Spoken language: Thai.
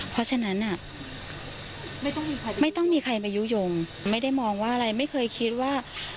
เพราะฉะนั้นไม่ต้องมีใครมายุโยงไม่ได้มองว่าอะไรไม่เคยคิดว่า